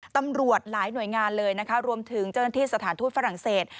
ตำรวจหลายหน่วยงานเลยนะคะรวมถึงเจ้าหน้าที่สถานทูตฝรั่งเศส